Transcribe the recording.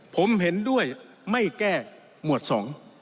ผมเห็นด้วยไม่แก้หมวดสอง